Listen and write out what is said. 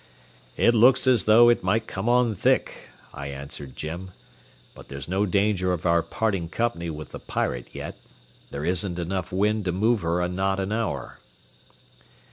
"It looks as though it might come on thick," I answered Jim, "but there's no danger of our parting company with the Pirate yet. There isn't enough wind to move her a knot an hour."